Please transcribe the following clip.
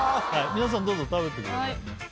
皆さんどうぞ食べてくださいね。